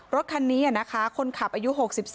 รถคันนี้นะคะคนขับอายุ๖๒